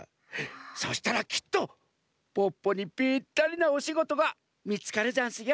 そしたらきっとポッポにピッタリなおしごとがみつかるざんすよ。